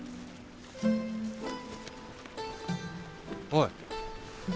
おい。